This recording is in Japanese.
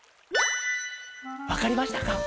わかりましたか？